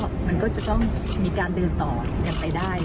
ในที่สุดแป๊งจะต้องมีการเดินต่อกันไปได้